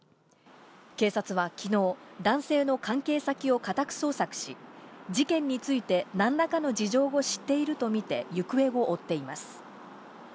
警察は昨日、男性の関係先を家宅捜索し、事件について何らかの事情を知っているとみて、行方を追っています。